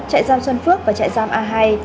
trại giam xuân phước và trại giam a hai